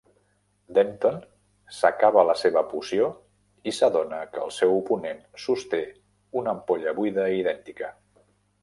Denton s'acaba la seva poció i s'adona que el seu oponent sosté una ampolla buida idèntica.